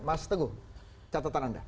mas teguh catatan anda